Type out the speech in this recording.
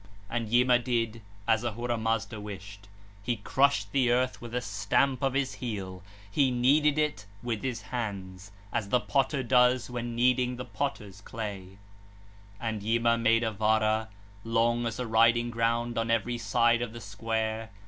32. And Yima did as Ahura Mazda wished; he crushed the earth with a stamp of his heel, he kneaded it with his hands, as the potter does when kneading the potter's clay 4. 33 (97). And Yima made a Vara, long as a riding ground on every side of the square.